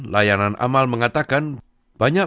layanan amal mengatakan banyak